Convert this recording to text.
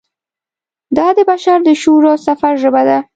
دا د بشر د شعور او سفر ژبه ده.